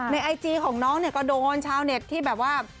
ในไอจีของน้องก็โดนชาวเน็ตที่แบบว่า